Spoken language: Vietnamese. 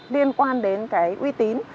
liên quan đến uy tín